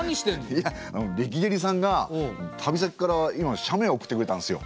いやレキデリさんが旅先から今写メ送ってくれたんですよ。